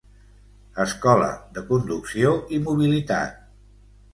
Escola de conducció i mobilitat.